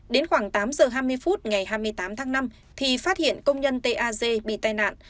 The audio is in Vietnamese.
đến khoảng tám giờ hai mươi phút ngày hai mươi tám tháng năm thì phát hiện công nhân t a g bị tai nạn